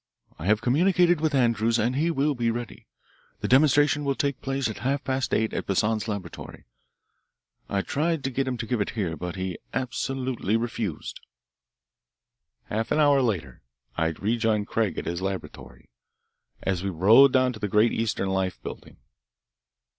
I have communicated with Andrews, and he will be ready. The demonstration will take place at half past eight at Poissan's laboratory. I tried to get him to give it here, but he absolutely refused." Half an hour later I rejoined Craig at his laboratory, and we rode down to the Great Eastern Life Building.